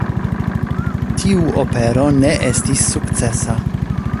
Tiu opero ne estis sukcesa.